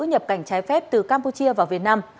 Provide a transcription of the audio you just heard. nhập cảnh trái phép từ campuchia vào việt nam